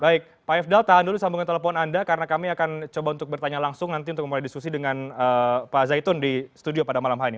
baik pak ifdal tahan dulu sambungan telepon anda karena kami akan coba untuk bertanya langsung nanti untuk mulai diskusi dengan pak zaitun di studio pada malam hari ini